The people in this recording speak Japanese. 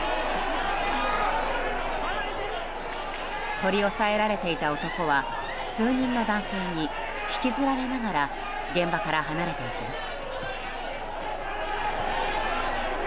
取り押さえられていた男は数人の男性に引きずられながら現場から離れていきます。